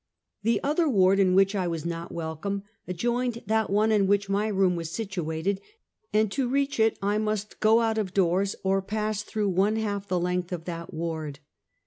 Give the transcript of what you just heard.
The other ward in which I was not welcome, ad joined that one in which my room was situated, and to reach it I must go ont of doors or pass through one half the length of that ward.